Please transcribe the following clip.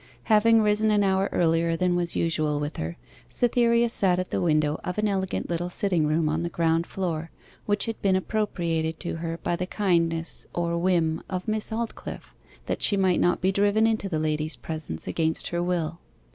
Having risen an hour earlier than was usual with her, Cytherea sat at the window of an elegant little sitting room on the ground floor, which had been appropriated to her by the kindness or whim of Miss Aldclyffe, that she might not be driven into that lady's presence against her will.